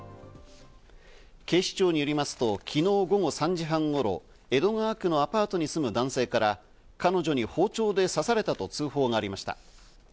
警視庁によりますと、昨日午後３時半頃、江戸川区のアパートに住む男性から彼女に包丁で刺されたと通報がありました。